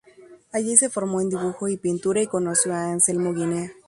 Allí se formó en dibujo y pintura, y conoció a Anselmo Guinea.